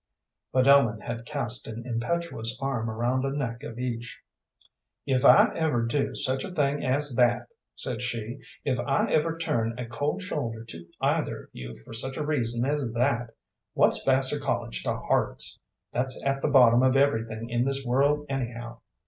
But Ellen had cast an impetuous arm around a neck of each. "If ever I do such a thing as that!" said she. "If ever I turn a cold shoulder to either of you for such a reason as that! What's Vassar College to hearts? That's at the bottom of everything in this world, anyhow.